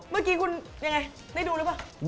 เมื่อกี้คุณยังไงได้ดูหรือเปล่า